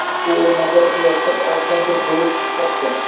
U oʻrmondan oʻtayotsa, oldidan bir Boʻri chiqib qolibdi